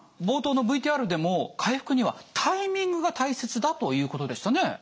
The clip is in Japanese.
冒頭のＶＴＲでも回復にはタイミングが大切だということでしたね。